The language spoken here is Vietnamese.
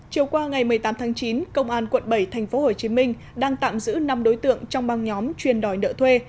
chiều qua ngày một mươi tám tháng chín công an quận bảy tp hcm đang tạm giữ năm đối tượng trong băng nhóm chuyên đòi nợ thuê